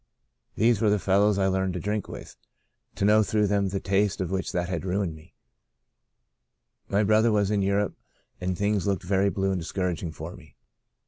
These were the fellows I learned to drink with, to know through them the taste of By a Great Deliverance 159 that which had ruined me. My brother was in Europe, and things looked very blue and discouraging for me.